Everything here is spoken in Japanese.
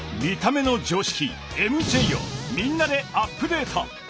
見た目の常識ＭＪをみんなでアップデート！